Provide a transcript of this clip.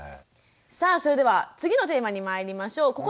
さあそれでは次のテーマにまいりましょう。